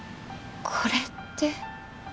これって。